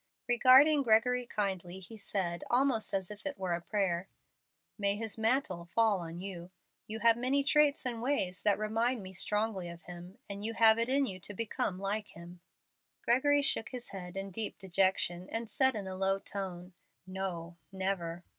Regarding Gregory kindly, he said, almost as if it were a prayer, "May his mantle fall on you. You have many traits and ways that remind me strongly of him, and you have it in you to become like him." Gregory shook his head in deep dejection, and said in a low tone, "No, never."